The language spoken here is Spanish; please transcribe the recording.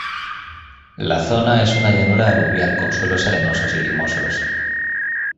La zona es una llanura aluvial con suelos arenosos y limosos.